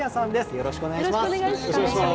よろしくお願いします。